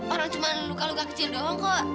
orang cuma luka luka kecil doang kok